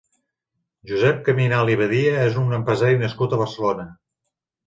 Josep Caminal i Badia és un empresari nascut a Barcelona.